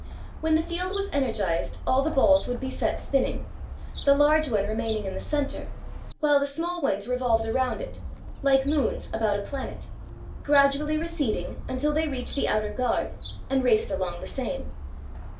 When the field was energized all the balls would be set spinning, the large one re maining in the center while the small ones revolved around it, like moons about a planet, gradually receding until they reached the outer guard and raced along the same.